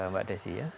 mbak desi ya